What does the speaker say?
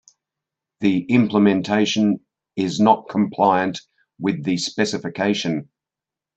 The implementation is not compliant with the specification.